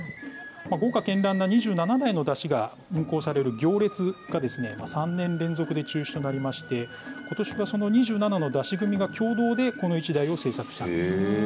豪華けんらんな２７台の山車が運行される行列が、３年連続で中止となりまして、ことしは、その２７の山車組が共同でこの１台を製作したんです。